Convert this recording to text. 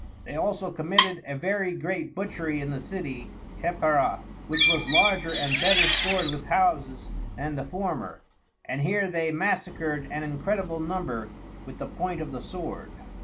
_ They also committed a very great Butchery in the City Tepeara, which was larger and better stored with Houses than the former; and here they Massacred an incredible number with the point of the Sword.